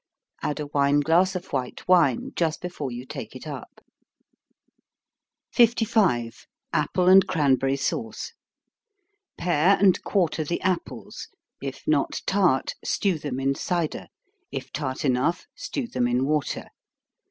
Add a wine glass of white wine just before you take it up. 55. Apple and Cranberry Sauce. Pare and quarter the apples if not tart, stew them in cider if tart enough, stew them in water.